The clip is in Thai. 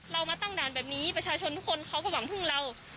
เรามาตั้งด่านแบบนี้ประชาชนทุกคนเขาก็หวังพึ่งเรา